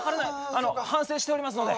あの反省しておりますので。